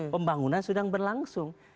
pembangunan sudah berlangsung